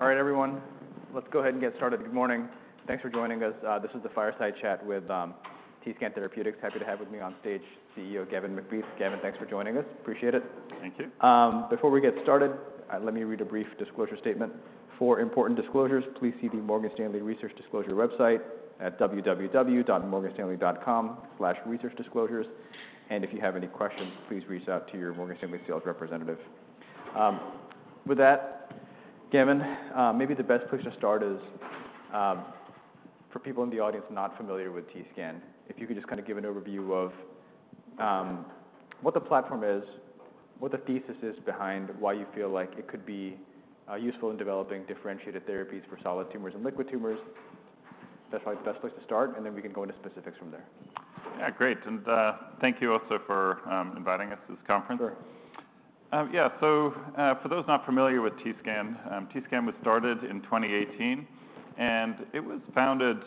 All right, everyone, let's go ahead and get started. Good morning. Thanks for joining us. This is the Fireside Chat with TScan Therapeutics. Happy to have with me on stage CEO Gavin MacBeath. Gavin, thanks for joining us. Appreciate it. Thank you. Before we get started, let me read a brief disclosure statement. For important disclosures, please see the Morgan Stanley Research Disclosure website at www.morganstanley.com/researchdisclosures. If you have any questions, please reach out to your Morgan Stanley sales representative. With that, Gavin, maybe the best place to start is, for people in the audience not familiar with TScan, if you could just kind of give an overview of, what the platform is, what the thesis is behind why you feel like it could be, useful in developing differentiated therapies for solid tumors and liquid tumors. That's probably the best place to start, and then we can go into specifics from there. Yeah, great. And thank you also for inviting us to this conference. Sure. Yeah, so, for those not familiar with TScan, TScan was started in 2018, and it was founded,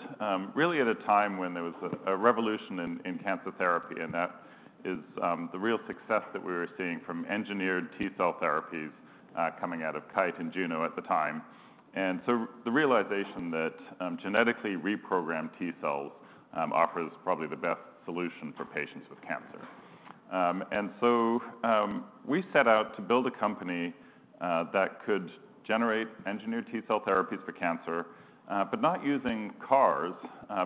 really at a time when there was a revolution in cancer therapy, and that is the real success that we were seeing from engineered T cell therapies, coming out of Kite and Juno at the time. And so the realization that genetically reprogrammed T cells offers probably the best solution for patients with cancer. And so we set out to build a company that could generate engineered T cell therapies for cancer, but not using CARs,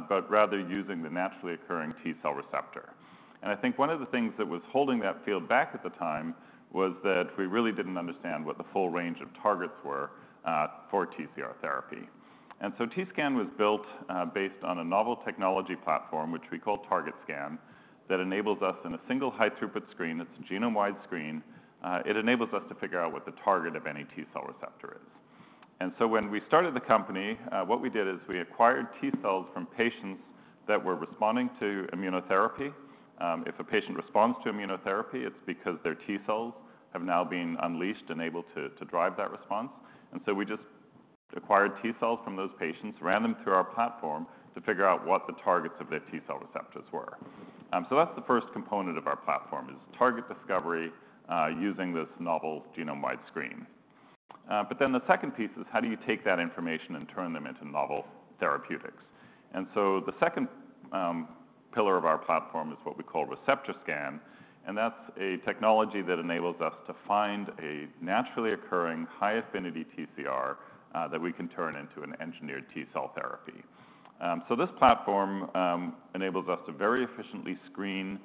but rather using the naturally occurring T cell receptor. I think one of the things that was holding that field back at the time was that we really didn't understand what the full range of targets were for TCR therapy. TScan was built based on a novel technology platform, which we call TargetScan, that enables us in a single high-throughput screen. It's a genome-wide screen. It enables us to figure out what the target of any T cell receptor is. When we started the company, what we did is we acquired T cells from patients that were responding to immunotherapy. If a patient responds to immunotherapy, it's because their T cells have now been unleashed and able to drive that response. We just acquired T cells from those patients, ran them through our platform to figure out what the targets of their T cell receptors were. That's the first component of our platform, is target discovery using this novel genome-wide screen. The second piece is how do you take that information and turn them into novel therapeutics? The second pillar of our platform is what we call ReceptorScan, and that's a technology that enables us to very efficiently screen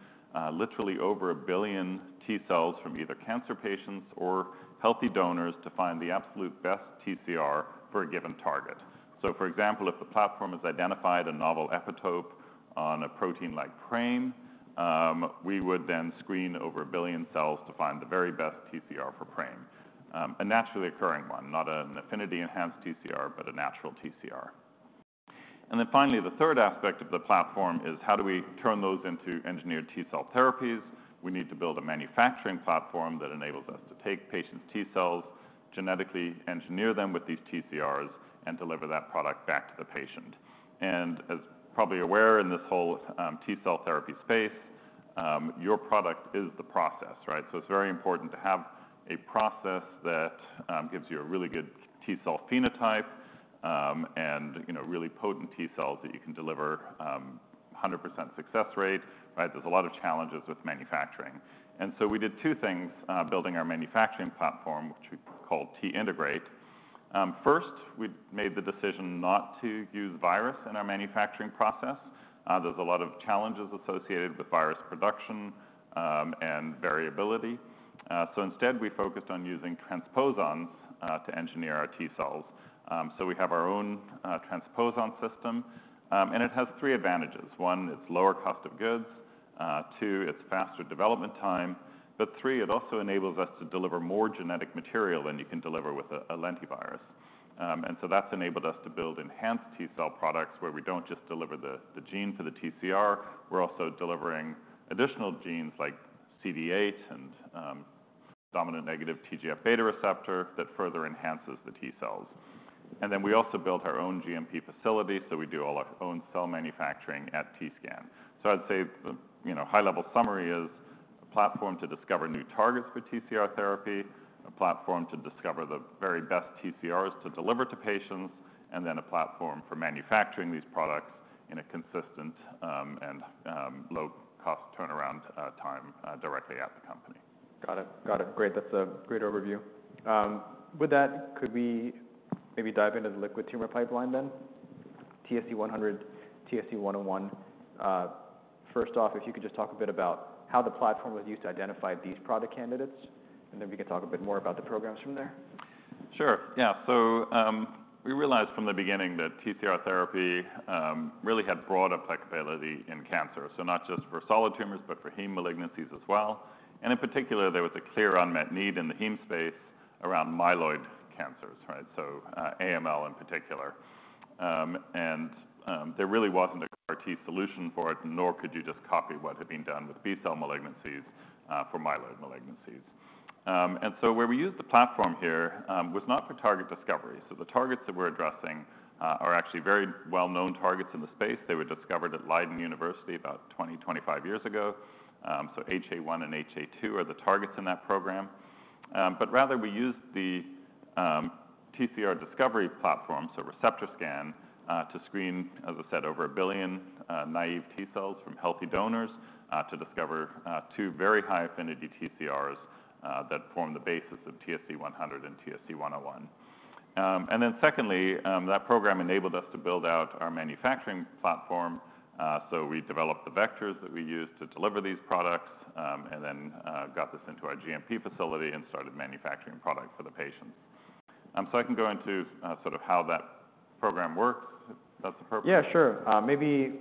literally over a billion T cells from either cancer patients or healthy donors to find the absolute best TCR for a given target. For example, if the platform has identified a novel epitope on a protein like PRAME, we would then screen over a billion cells to find the very best TCR for PRAME. A naturally occurring one, not an affinity-enhanced TCR, but a natural TCR. Then finally, the third aspect of the platform is how do we turn those into engineered T cell therapies? We need to build a manufacturing platform that enables us to take patients' T cells, genetically engineer them with these TCRs, and deliver that product back to the patient. As probably aware, in this whole T cell therapy space, your product is the process, right? So it's very important to have a process that gives you a really good T cell phenotype, and, you know, really potent T cells that you can deliver, 100% success rate, right? There's a lot of challenges with manufacturing. And so we did two things, building our manufacturing platform, which we called T-Integrate. First, we made the decision not to use virus in our manufacturing process. There's a lot of challenges associated with virus production, and variability. So instead, we focused on using transposons to engineer our T cells. So we have our own transposon system, and it has three advantages: one, it's lower cost of goods, two, it's faster development time, but three, it also enables us to deliver more genetic material than you can deliver with a lentivirus. And so that's enabled us to build enhanced T cell products where we don't just deliver the gene for the TCR, we're also delivering additional genes like CD8 and dominant-negative TGF-beta receptor that further enhances the T cells. And then we also built our own GMP facility, so we do all our own cell manufacturing at TScan. So I'd say the you know high-level summary is a platform to discover new targets for TCR therapy, a platform to discover the very best TCRs to deliver to patients, and then a platform for manufacturing these products in a consistent and low-cost turnaround time directly at the company. Got it. Got it. Great. That's a great overview. With that, could we maybe dive into the liquid tumor pipeline then? TSC-100, TSC-101. First off, if you could just talk a bit about how the platform was used to identify these product candidates, and then we can talk a bit more about the programs from there. Sure, yeah. So, we realized from the beginning that TCR therapy really had broad applicability in cancer, so not just for solid tumors, but for heme malignancies as well. And in particular, there was a clear unmet need in the heme space around myeloid cancers, right? So, AML in particular. And there really wasn't a CAR T solution for it, nor could you just copy what had been done with B-cell malignancies for myeloid malignancies. And so where we used the platform here was not for target discovery. So the targets that we're addressing are actually very well-known targets in the space. They were discovered at Leiden University about twenty, twenty-five years ago. So HA-1 and HA-2 are the targets in that program.... But rather we used the TCR discovery platform, so ReceptorScan, to screen, as I said, over a billion naive T cells from healthy donors, to discover two very high affinity TCRs that form the basis of TSC-100 and TSC-101. And then secondly, that program enabled us to build out our manufacturing platform. So we developed the vectors that we used to deliver these products, and then got this into our GMP facility and started manufacturing product for the patients. So I can go into sort of how that program works, if that's appropriate? Yeah, sure. Maybe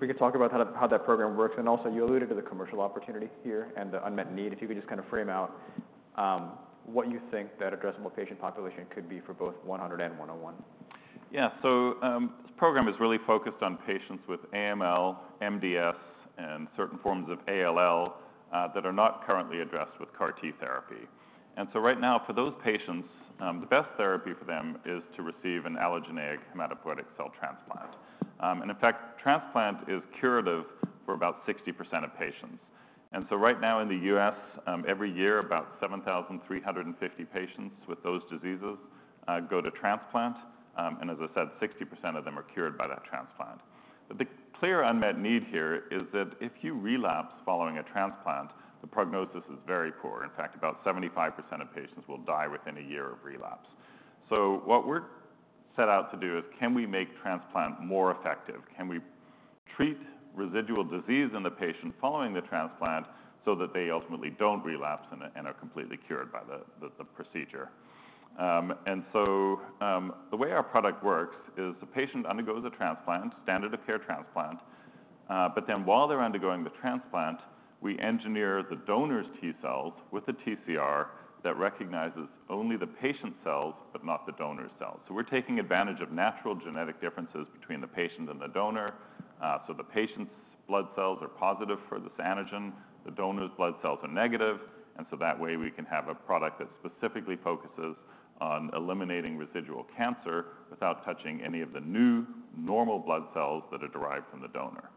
we could talk about how that program works, and also you alluded to the commercial opportunity here and the unmet need. If you could just kind of frame out what you think that addressable patient population could be for both 100 and 101. Yeah. So, this program is really focused on patients with AML, MDS, and certain forms of ALL, that are not currently addressed with CAR T therapy. And so right now, for those patients, the best therapy for them is to receive an allogeneic hematopoietic cell transplant. And in fact, transplant is curative for about 60% of patients. And so right now in the US, every year, about 7,350 patients with those diseases, go to transplant, and as I said, 60% of them are cured by that transplant. The big clear unmet need here is that if you relapse following a transplant, the prognosis is very poor. In fact, about 75% of patients will die within a year of relapse. So what we're set out to do is, can we make transplant more effective? Can we treat residual disease in the patient following the transplant so that they ultimately don't relapse and are completely cured by the procedure? The way our product works is the patient undergoes a transplant, standard of care transplant, but then, while they're undergoing the transplant, we engineer the donor's T cells with a TCR that recognizes only the patient's cells, but not the donor's cells. So we're taking advantage of natural genetic differences between the patient and the donor. The patient's blood cells are positive for this antigen, the donor's blood cells are negative, and so that way, we can have a product that specifically focuses on eliminating residual cancer without touching any of the new normal blood cells that are derived from the donor.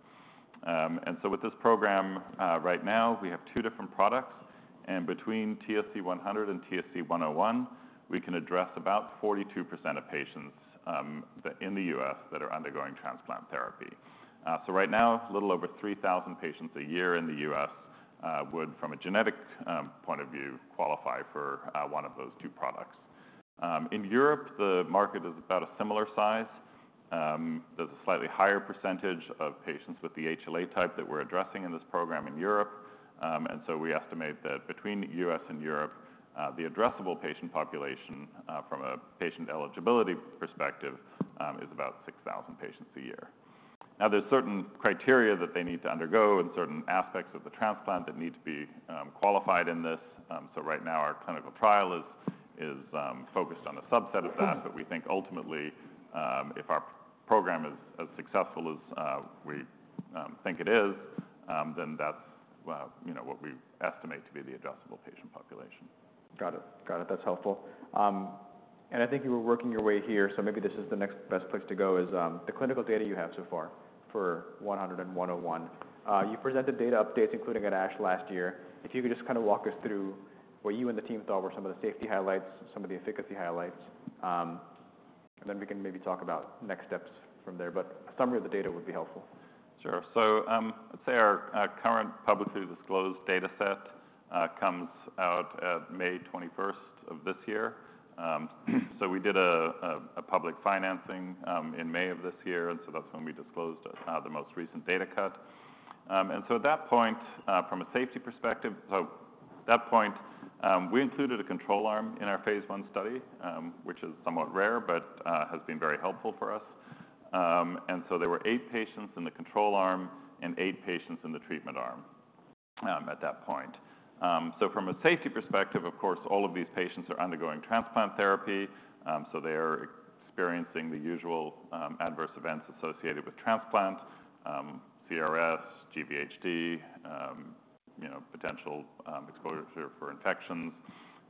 And so with this program, right now, we have two different products, and between TSC-100 and TSC-101, we can address about 42% of patients that, in the US, are undergoing transplant therapy. So right now, a little over 3,000 patients a year in the US would, from a genetic point of view, qualify for one of those two products. In Europe, the market is about a similar size. There's a slightly higher percentage of patients with the HLA type that we're addressing in this program in Europe. And so we estimate that between the US and Europe, the addressable patient population, from a patient eligibility perspective, is about 6,000 patients a year. Now, there's certain criteria that they need to undergo and certain aspects of the transplant that need to be qualified in this, so right now, our clinical trial is focused on a subset of that, but we think ultimately, if our program is as successful as we think it is, then that's, you know, what we estimate to be the addressable patient population. Got it. Got it. That's helpful. And I think you were working your way here, so maybe this is the next best place to go, is the clinical data you have so far for TSC-100 and TSC-101. You presented data updates, including at ASH last year. If you could just kind of walk us through what you and the team thought were some of the safety highlights, some of the efficacy highlights, and then we can maybe talk about next steps from there, but a summary of the data would be helpful. Sure. So, let's say our current publicly disclosed data set comes out at May twenty-first of this year. So we did a public financing in May of this year, and so that's when we disclosed the most recent data cut. And so at that point, from a safety perspective, so at that point, we included a control arm in our phase 1 study, which is somewhat rare, but has been very helpful for us. And so there were eight patients in the control arm and eight patients in the treatment arm at that point. So from a safety perspective, of course, all of these patients are undergoing transplant therapy, so they are experiencing the usual adverse events associated with transplant, CRS, GVHD, you know, potential exposure for infections.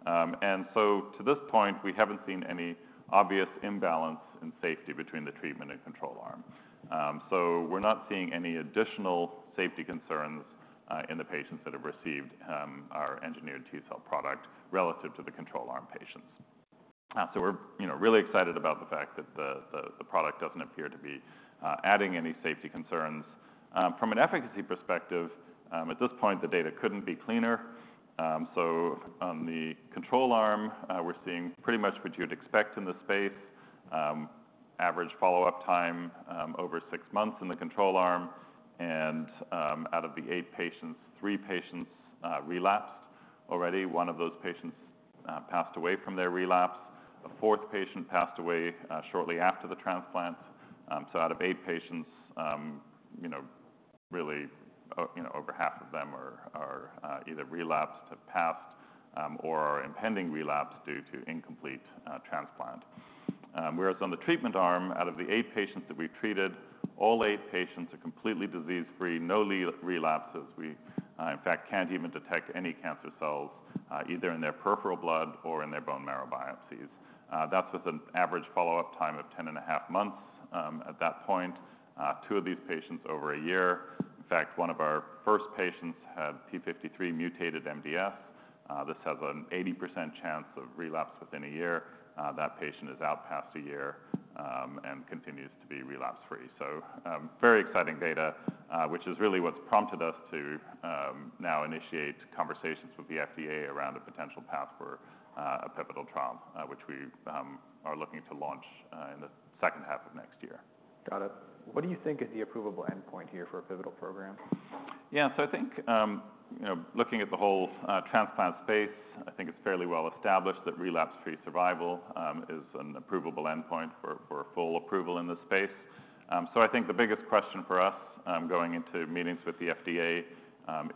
And so to this point, we haven't seen any obvious imbalance in safety between the treatment and control arm. So we're not seeing any additional safety concerns in the patients that have received our engineered T cell product relative to the control arm patients. So we're, you know, really excited about the fact that the product doesn't appear to be adding any safety concerns. From an efficacy perspective, at this point, the data couldn't be cleaner. So on the control arm, we're seeing pretty much what you'd expect in this space. Average follow-up time over six months in the control arm, and out of the eight patients, three patients relapsed already. One of those patients passed away from their relapse. A fourth patient passed away shortly after the transplant. So out of eight patients, you know, really, you know, over half of them are either relapsed, have passed, or are impending relapse due to incomplete transplant. Whereas on the treatment arm, out of the eight patients that we treated, all eight patients are completely disease-free, no relapses. We, in fact, can't even detect any cancer cells, either in their peripheral blood or in their bone marrow biopsies. That's with an average follow-up time of 10 and a half months. At that point, two of these patients over a year. In fact, one of our first patients had p53 mutated MDS. This has an 80% chance of relapse within a year. That patient is out past a year, and continues to be relapse-free. Very exciting data, which is really what's prompted us to now initiate conversations with the FDA around a potential path for a pivotal trial, which we are looking to launch in the second half of next year. Got it. What do you think is the approvable endpoint here for a pivotal program? Yeah. So I think, you know, looking at the whole, transplant space, I think it's fairly well established that relapse-free survival is an approvable endpoint for a full approval in this space. So I think the biggest question for us, going into meetings with the FDA,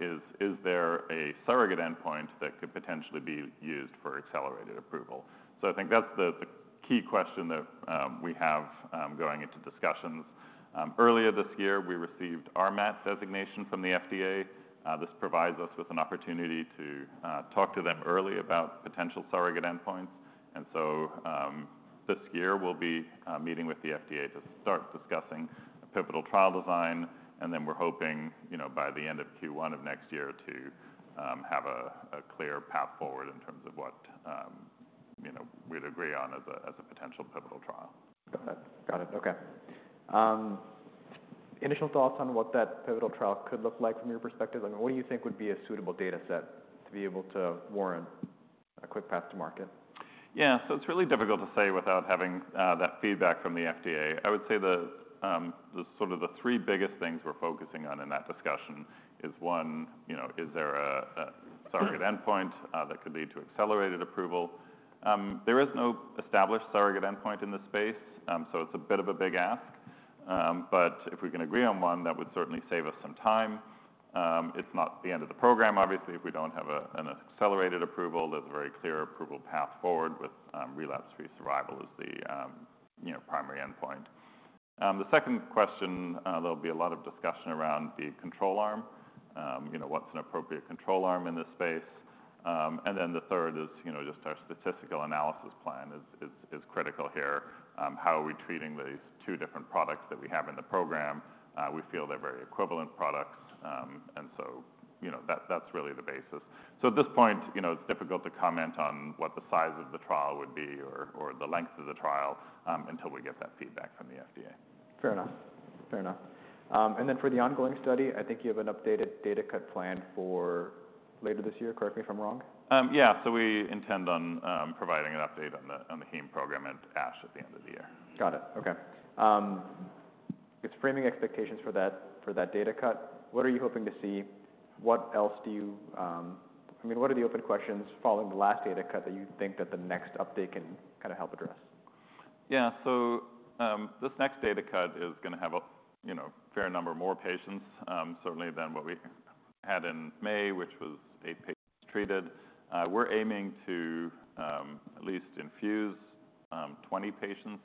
is: Is there a surrogate endpoint that could potentially be used for accelerated approval? So I think that's the key question that we have, going into discussions. Earlier this year, we received RMAT designation from the FDA. This provides us with an opportunity to talk to them early about potential surrogate endpoints. And so, this year, we'll be meeting with the FDA to start discussing a pivotal trial design, and then we're hoping, you know, by the end of Q1 of next year to have a clear path forward in terms of what, you know, we'd agree on as a potential pivotal trial. Got it. Got it, okay. Initial thoughts on what that pivotal trial could look like from your perspective? I mean, what do you think would be a suitable data set to be able to warrant a quick path to market? Yeah. So it's really difficult to say without having that feedback from the FDA. I would say the three biggest things we're focusing on in that discussion is, one, you know, is there a surrogate endpoint that could lead to accelerated approval? There is no established surrogate endpoint in this space, so it's a bit of a big ask. But if we can agree on one, that would certainly save us some time. It's not the end of the program, obviously, if we don't have an accelerated approval. There's a very clear approval path forward with relapse-free survival as the, you know, primary endpoint. The second question, there'll be a lot of discussion around the control arm. You know, what's an appropriate control arm in this space? And then the third is, you know, just our statistical analysis plan is critical here. How are we treating these two different products that we have in the program? We feel they're very equivalent products, and so, you know, that's really the basis. So at this point, you know, it's difficult to comment on what the size of the trial would be or the length of the trial until we get that feedback from the FDA. Fair enough. Fair enough. And then for the ongoing study, I think you have an updated data cut plan for later this year. Correct me if I'm wrong. Yeah. So we intend on providing an update on the heme program at ASH at the end of the year. Got it. Okay. It's framing expectations for that, for that data cut. What are you hoping to see? What else do you, I mean, what are the open questions following the last data cut that you think that the next update can kinda help address? Yeah. So, this next data cut is gonna have a, you know, fair number of more patients, certainly than what we had in May, which was eight patients treated. We're aiming to at least infuse 20 patients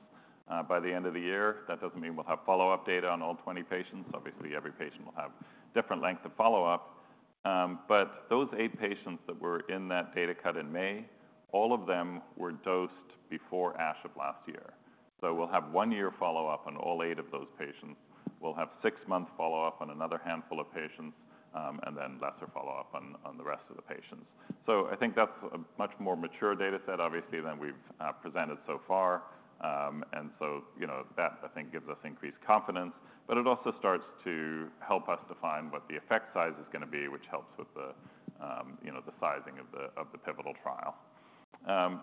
by the end of the year. That doesn't mean we'll have follow-up data on all 20 patients. Obviously, every patient will have different lengths of follow-up. But those eight patients that were in that data cut in May, all of them were dosed before ASH of last year. So we'll have one-year follow-up on all eight of those patients. We'll have six-month follow-up on another handful of patients, and then lesser follow-up on the rest of the patients. So I think that's a much more mature data set, obviously, than we've presented so far. And so, you know, that, I think, gives us increased confidence, but it also starts to help us define what the effect size is gonna be, which helps with the, you know, the sizing of the pivotal trial.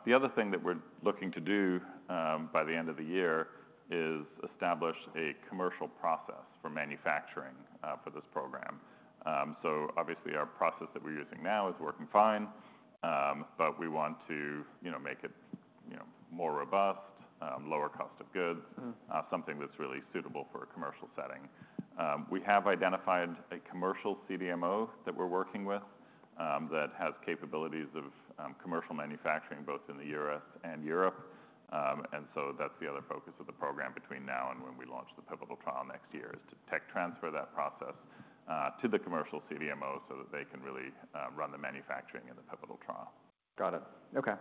The other thing that we're looking to do by the end of the year is establish a commercial process for manufacturing for this program. So obviously, our process that we're using now is working fine, but we want to, you know, make it, you know, more robust, lower cost of goods- Mm-hmm... something that's really suitable for a commercial setting. We have identified a commercial CDMO that we're working with, that has capabilities of commercial manufacturing both in the US and Europe, and so that's the other focus of the program between now and when we launch the pivotal trial next year, is to tech transfer that process to the commercial CDMO so that they can really run the manufacturing in the pivotal trial. Got it. Okay.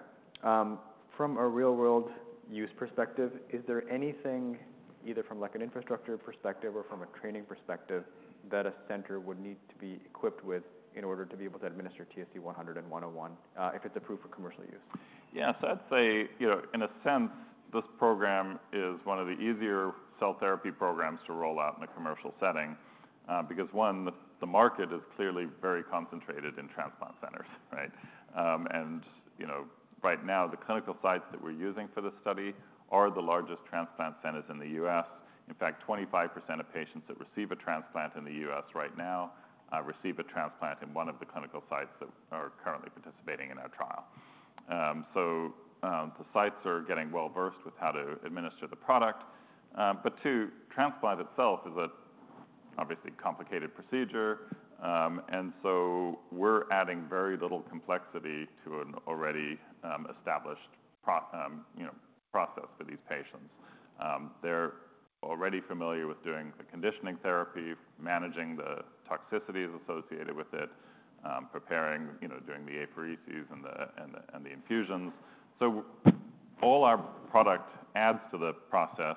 From a real-world use perspective, is there anything, either from, like, an infrastructure perspective or from a training perspective, that a center would need to be equipped with in order to be able to administer TSC-100 and TSC-101, if it's approved for commercial use? Yeah. So I'd say, you know, in a sense, this program is one of the easier cell therapy programs to roll out in a commercial setting, because one, the market is clearly very concentrated in transplant centers, right? And, you know, right now, the clinical sites that we're using for this study are the largest transplant centers in the US. In fact, 25% of patients that receive a transplant in the US right now receive a transplant in one of the clinical sites that are currently participating in our trial. So, the sites are getting well-versed with how to administer the product. But two, transplant itself is obviously a complicated procedure, and so we're adding very little complexity to an already established, you know, process for these patients. They're already familiar with doing the conditioning therapy, managing the toxicities associated with it, preparing, you know, doing the apheresis and the infusions. So all our product adds to the process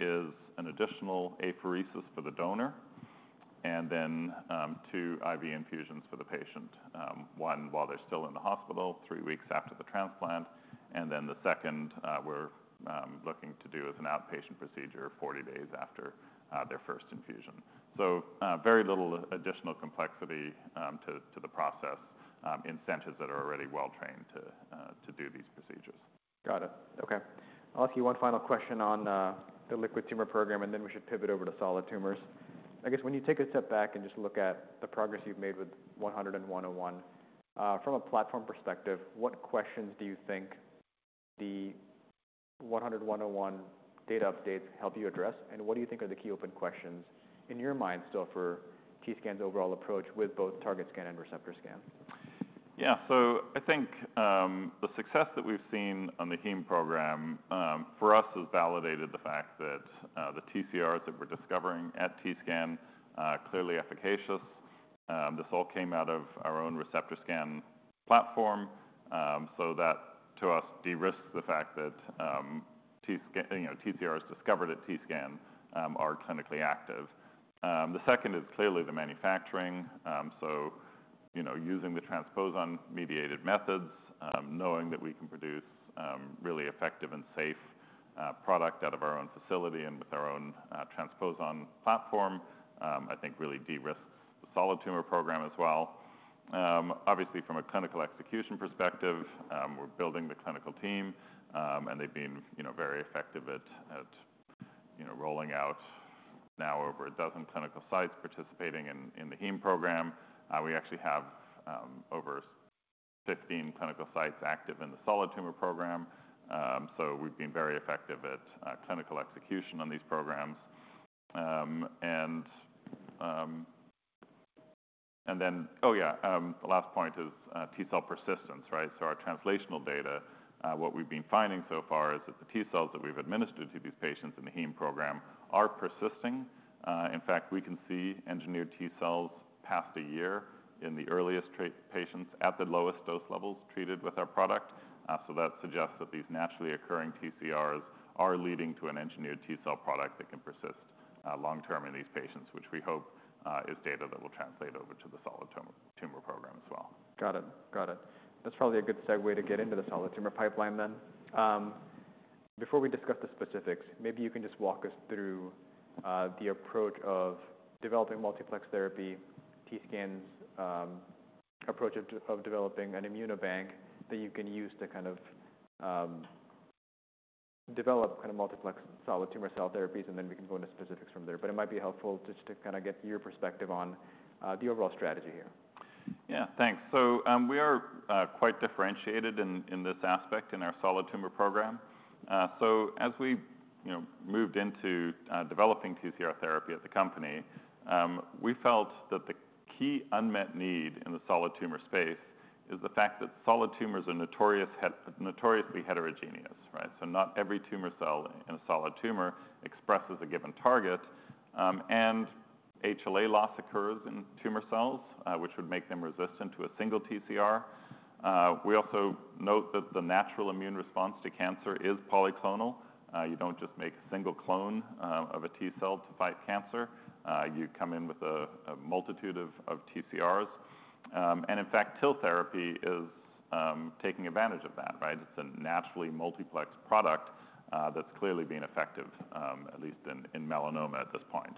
is an additional apheresis for the donor, and then two IV infusions for the patient. One while they're still in the hospital, three weeks after the transplant, and then the second, we're looking to do as an outpatient procedure forty days after their first infusion. So very little additional complexity to the process in centers that are already well-trained to do these procedures. Got it. Okay. I'll ask you one final question on the liquid tumor program, and then we should pivot over to solid tumors. I guess when you take a step back and just look at the progress you've made with TSC-100 and TSC-101, from a platform perspective, what questions do you think the TSC-100 and TSC-101 data updates help you address? And what do you think are the key open questions in your mind still for TScan's overall approach with both TargetScan and ReceptorScan? Yeah. So I think, the success that we've seen on the heme program, for us, has validated the fact that, the TCRs that we're discovering at TScan are clearly efficacious. This all came out of our own ReceptorScan platform, so that to us, de-risks the fact that, TScan, you know, TCRs discovered at TScan, are clinically active. The second is clearly the manufacturing. So, you know, using the transposon-mediated methods, knowing that we can produce, really effective and safe, product out of our own facility and with our own, transposon platform, I think really de-risks the solid tumor program as well. Obviously from a clinical execution perspective, we're building the clinical team, and they've been, you know, very effective at you know, rolling out now over a dozen clinical sites participating in the heme program. We actually have over fifteen clinical sites active in the solid tumor program. So we've been very effective at clinical execution on these programs. And then, oh, yeah, the last point is T cell persistence, right? So our translational data, what we've been finding so far is that the T cells that we've administered to these patients in the heme program are persisting. In fact, we can see engineered T cells past a year in the earliest patients at the lowest dose levels treated with our product. So that suggests that these naturally occurring TCRs are leading to an engineered T cell product that can persist long-term in these patients, which we hope is data that will translate over to the solid tumor program as well. Got it. Got it. That's probably a good segue to get into the solid tumor pipeline then. Before we discuss the specifics, maybe you can just walk us through the approach of developing multiplex therapy, T-Scan's approach of developing an ImmunoBank that you can use to kind of develop kind of multiplex solid tumor cell therapies, and then we can go into specifics from there. But it might be helpful just to kind of get your perspective on the overall strategy here. Yeah, thanks. So we are quite differentiated in this aspect in our solid tumor program. So as we, you know, moved into developing TCR therapy as a company, we felt that the key unmet need in the solid tumor space is the fact that solid tumors are notoriously heterogeneous, right? So not every tumor cell in a solid tumor expresses a given target, and HLA loss occurs in tumor cells, which would make them resistant to a single TCR. We also note that the natural immune response to cancer is polyclonal. You don't just make a single clone of a T cell to fight cancer. You come in with a multitude of TCRs. And in fact, TIL therapy is taking advantage of that, right? It's a naturally multiplex product, that's clearly been effective, at least in melanoma at this point.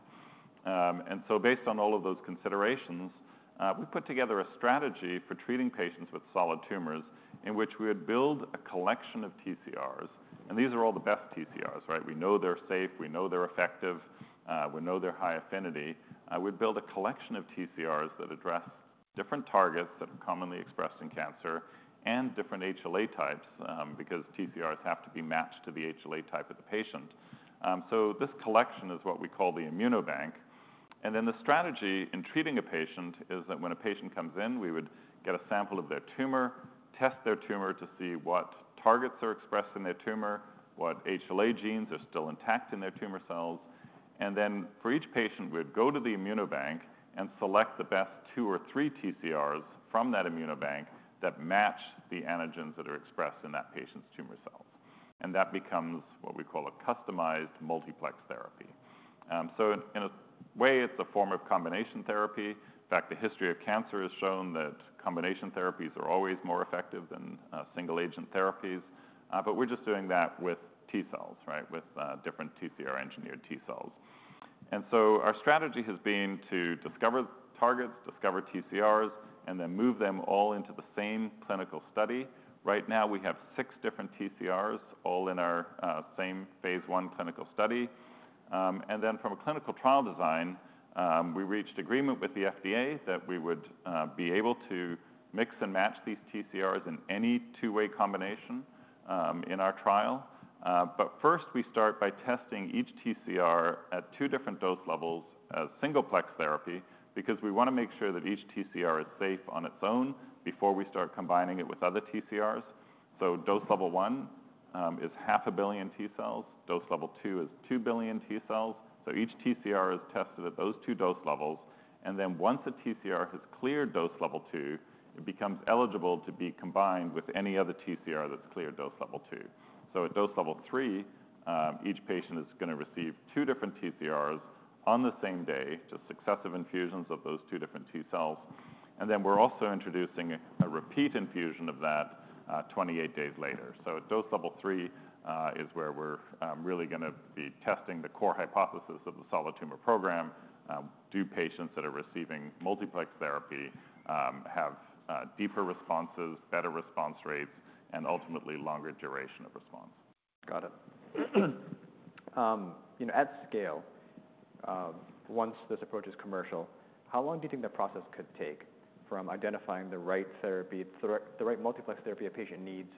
And so based on all of those considerations, we put together a strategy for treating patients with solid tumors in which we would build a collection of TCRs, and these are all the best TCRs, right? We know they're safe, we know they're effective, we know they're high affinity. We'd build a collection of TCRs that address different targets that are commonly expressed in cancer and different HLA types, because TCRs have to be matched to the HLA type of the patient. So this collection is what we call the ImmunoBank. And then the strategy in treating a patient is that when a patient comes in, we would get a sample of their tumor, test their tumor to see what targets are expressed in their tumor, what HLA genes are still intact in their tumor cells, and then for each patient, we'd go to the ImmunoBank and select the best two or three TCRs from that Immunobank that match the antigens that are expressed in that patient's tumor cells. And that becomes what we call a customized multiplex therapy. So in a way, it's a form of combination therapy. In fact, the history of cancer has shown that combination therapies are always more effective than single-agent therapies, but we're just doing that with T cells, right? With different TCR-engineered T cells. And so our strategy has been to discover targets, discover TCRs, and then move them all into the same clinical study. Right now, we have six different TCRs, all in our same phase I clinical study. And then from a clinical trial design, we reached agreement with the FDA that we would be able to mix and match these TCRs in any two-way combination in our trial. But first, we start by testing each TCR at two different dose levels as single-plex therapy, because we want to make sure that each TCR is safe on its own before we start combining it with other TCRs, so dose level one is half a billion T cells. Dose level two is two billion T cells. Each TCR is tested at those two dose levels, and then once a TCR has cleared dose level two, it becomes eligible to be combined with any other TCR that's cleared dose level two. At dose level three, each patient is going to receive two different TCRs on the same day, just successive infusions of those two different T cells. Then we're also introducing a repeat infusion of that 28 days later. Dose level three is where we're really going to be testing the core hypothesis of the solid tumor program. Do patients that are receiving multiplex therapy have deeper responses, better response rates, and ultimately longer duration of response? Got it. You know, at scale, once this approach is commercial, how long do you think the process could take from identifying the right therapy, the right multiplex therapy a patient needs,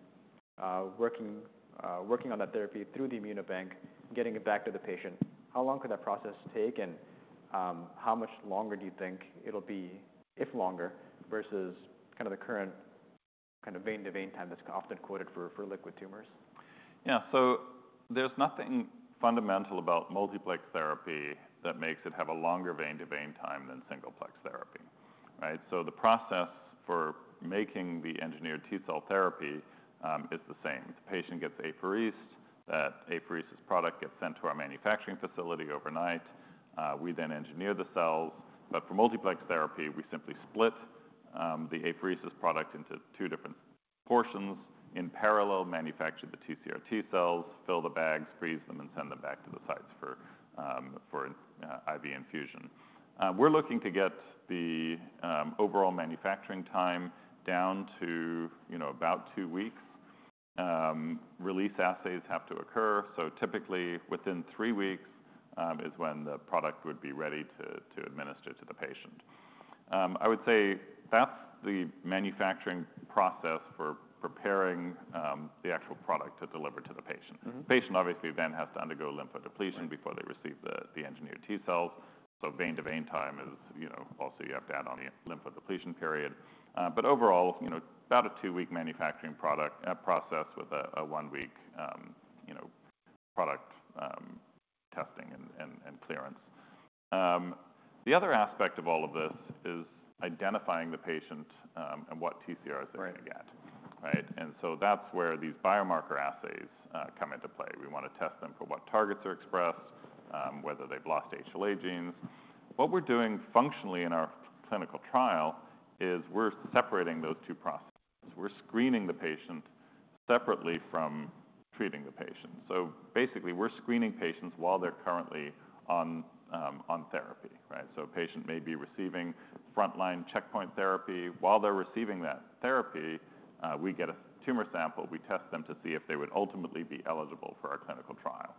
working on that therapy through the ImmunoBank, getting it back to the patient? How long could that process take, and how much longer do you think it'll be, if longer, versus kind of the current kind of vein to vein time that's often quoted for liquid tumors? Yeah. So there's nothing fundamental about multiplex therapy that makes it have a longer vein to vein time than singleplex therapy, right? So the process for making the engineered T-cell therapy is the same. The patient gets apheresis. That apheresis product gets sent to our manufacturing facility overnight. We then engineer the cells. But for multiplex therapy, we simply split the apheresis product into two different portions, in parallel, manufacture the TCR-T cells, fill the bags, freeze them, and send them back to the sites for IV infusion. We're looking to get the overall manufacturing time down to, you know, about two weeks. Release assays have to occur, so typically within three weeks is when the product would be ready to administer to the patient. I would say that's the manufacturing process for preparing the actual product to deliver to the patient. Mm-hmm. The patient obviously then has to undergo lymphodepletion. Right... before they receive the engineered T cells. So vein to vein time is, you know, also you have to add on the lymphodepletion period. But overall, you know, about a two-week manufacturing product process with a one-week, you know, product testing and clearance. The other aspect of all of this is identifying the patient and what TCRs they're- Right - going to get. Right? And so that's where these biomarker assays come into play. We want to test them for what targets are expressed, whether they've lost HLA genes. What we're doing functionally in our clinical trial is we're separating those two processes. We're screening the patient separately from treating the patient. So basically, we're screening patients while they're currently on therapy, right? So a patient may be receiving frontline checkpoint therapy. While they're receiving that therapy, we get a tumor sample, we test them to see if they would ultimately be eligible for our clinical trial.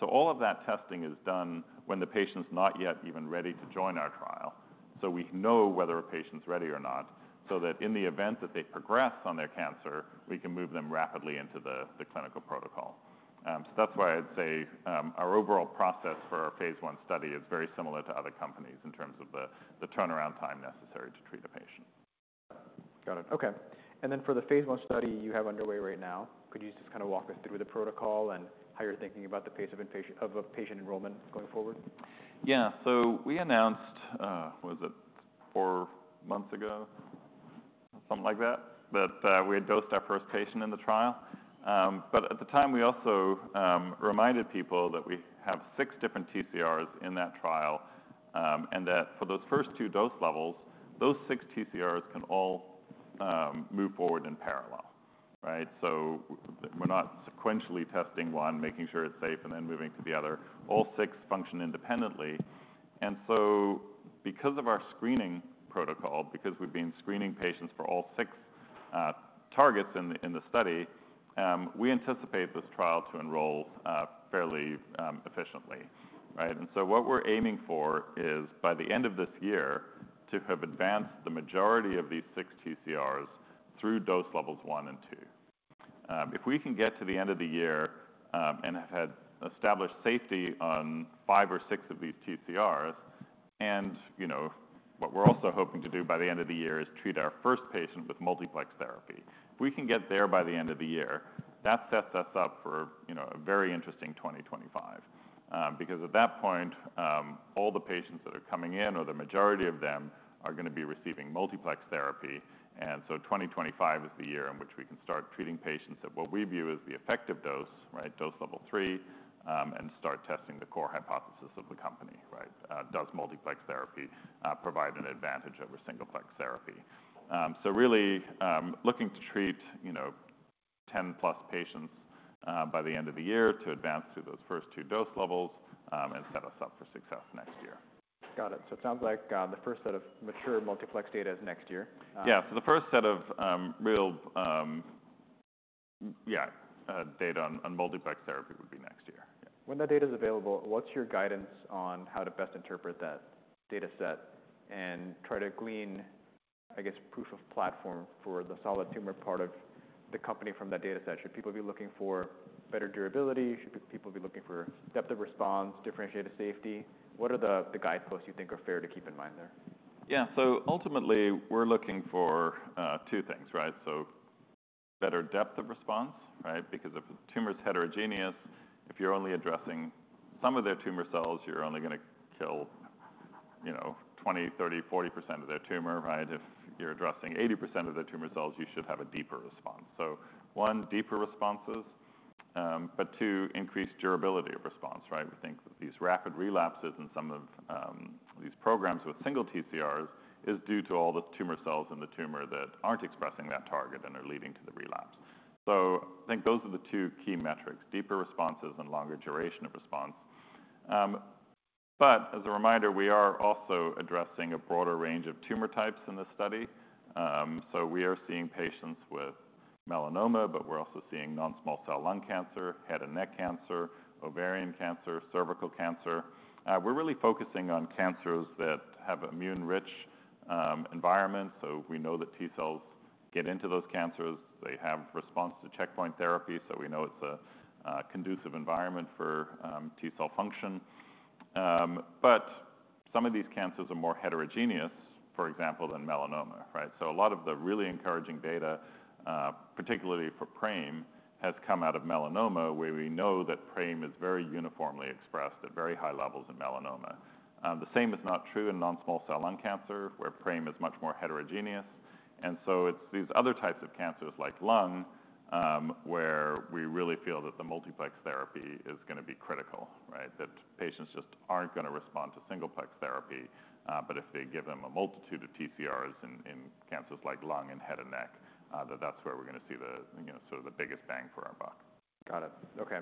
So all of that testing is done when the patient's not yet even ready to join our trial. So we know whether a patient's ready or not, so that in the event that they progress on their cancer, we can move them rapidly into the clinical protocol. So that's why I'd say, our overall process for our phase I study is very similar to other companies in terms of the turnaround time necessary to treat a patient. Got it. Okay, and then for the phase I study you have underway right now, could you just kind of walk us through the protocol and how you're thinking about the pace of patient enrollment going forward? Yeah, so we announced, was it four months ago, something like that, that we had dosed our first patient in the trial, but at the time, we also reminded people that we have six different TCRs in that trial, and that for those first two dose levels, those six TCRs can all move forward in parallel, right, so we're not sequentially testing one, making sure it's safe, and then moving to the other. All six function independently, and so because of our screening protocol, because we've been screening patients for all six targets in the study, we anticipate this trial to enroll fairly efficiently, right, and so what we're aiming for is, by the end of this year, to have advanced the majority of these six TCRs through dose levels one and two. If we can get to the end of the year and have had established safety on five or six of these TCRs, and, you know, what we're also hoping to do by the end of the year is treat our first patient with multiplex therapy. If we can get there by the end of the year, that sets us up for, you know, a very interesting twenty twenty-five. Because at that point, all the patients that are coming in, or the majority of them, are going to be receiving multiplex therapy. And so twenty twenty-five is the year in which we can start treating patients at what we view as the effective dose, right, dose level three, and start testing the core hypothesis of the company, right? Does multiplex therapy provide an advantage over singleplex therapy? Really, looking to treat, you know, ten plus patients by the end of the year to advance to those first two dose levels, and set us up for success next year. Got it. So it sounds like, the first set of mature multiplex data is next year? Yeah. So the first set of real data on multiplex therapy would be next year. Yeah. When that data is available, what's your guidance on how to best interpret that data set and try to glean, I guess, proof of platform for the solid tumor part of the company from that data set? Should people be looking for better durability? Should people be looking for depth of response, differentiated safety? What are the guideposts you think are fair to keep in mind there? Yeah, so ultimately we're looking for two things, right? So better depth of response, right? Because if a tumor is heterogeneous, if you're only addressing some of their tumor cells, you're only going to kill, you know, 20, 30, 40% of their tumor, right? If you're addressing 80% of their tumor cells, you should have a deeper response. So one, deeper responses, but two, increased durability of response, right? We think that these rapid relapses in some of these programs with single TCRs is due to all the tumor cells in the tumor that aren't expressing that target and are leading to the relapse. So I think those are the two key metrics, deeper responses and longer duration of response. But as a reminder, we are also addressing a broader range of tumor types in this study. So we are seeing patients with melanoma, but we're also seeing non-small cell lung cancer, head and neck cancer, ovarian cancer, cervical cancer. We're really focusing on cancers that have immune-rich environment. So we know that T cells get into those cancers. They have response to checkpoint therapy, so we know it's a conducive environment for T cell function. But some of these cancers are more heterogeneous, for example, than melanoma, right? So a lot of the really encouraging data, particularly for PRAME, has come out of melanoma, where we know that PRAME is very uniformly expressed at very high levels in melanoma. The same is not true in non-small cell lung cancer, where PRAME is much more heterogeneous. And so it's these other types of cancers, like lung, where we really feel that the multiplex therapy is going to be critical, right? That patients just aren't going to respond to singleplex therapy, but if they give them a multitude of TCRs in cancers like lung and head and neck, that's where we're going to see the, you know, sort of the biggest bang for our buck. Got it. Okay.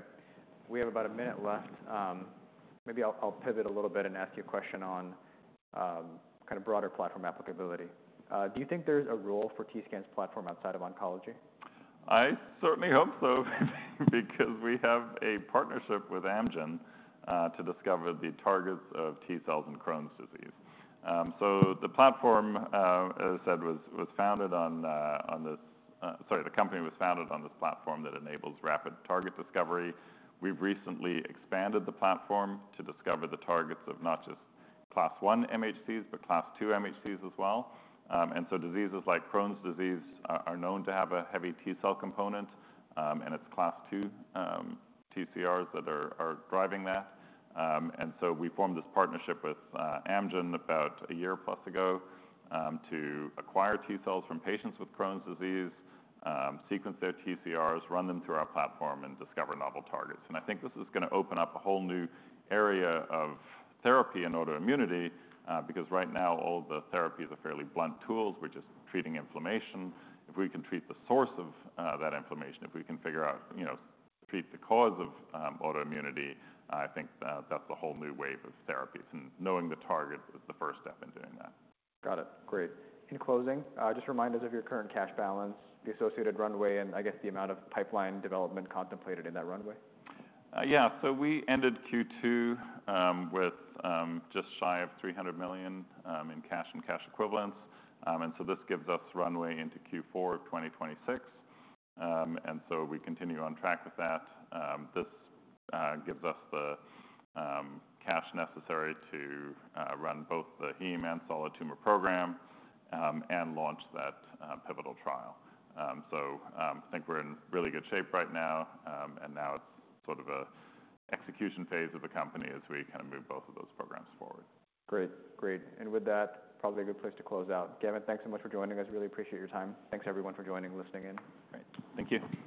We have about a minute left. Maybe I'll pivot a little bit and ask you a question on kind of broader platform applicability. Do you think there's a role for TScan's platform outside of oncology? I certainly hope so, because we have a partnership with Amgen to discover the targets of T cells in Crohn's disease. The platform, as I said, was founded on this platform that enables rapid target discovery. The company was founded on this platform that enables rapid target discovery. We've recently expanded the platform to discover the targets of not just Class I MHCs, but Class II MHCs as well. Diseases like Crohn's disease are known to have a heavy T cell component, and it's Class II TCRs that are driving that. We formed this partnership with Amgen about a year plus ago to acquire T cells from patients with Crohn's disease, sequence their TCRs, run them through our platform, and discover novel targets. And I think this is going to open up a whole new area of therapy and autoimmunity, because right now, all the therapies are fairly blunt tools. We're just treating inflammation. If we can treat the source of that inflammation, if we can figure out, you know, treat the cause of autoimmunity, I think that, that's a whole new wave of therapies, and knowing the target is the first step in doing that. Got it. Great. In closing, just remind us of your current cash balance, the associated runway, and I guess the amount of pipeline development contemplated in that runway. Yeah. So we ended Q2 with just shy of $300 million in cash and cash equivalents. And so this gives us runway into Q4 of 2026. And so we continue on track with that. This gives us the cash necessary to run both the heme and solid tumor program and launch that pivotal trial. So I think we're in really good shape right now. And now it's sort of a execution phase of the company as we kind of move both of those programs forward. Great. Great. And with that, probably a good place to close out. Gavin, thanks so much for joining us. Really appreciate your time. Thanks, everyone, for joining and listening in. Great. Thank you.